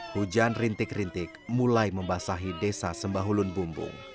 hujan rintik rintik mulai membasahi desa sembahulun bumbung